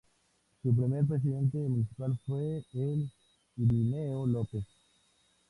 Su primer presidente municipal fue el Irineo López.